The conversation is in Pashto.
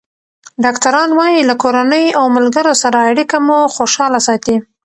ډاکټران وايي له کورنۍ او ملګرو سره اړیکه مو خوشحاله ساتي.